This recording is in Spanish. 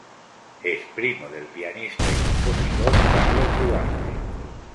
Es primo del pianista y compositor Carlos Duarte.